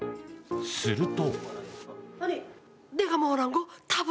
すると。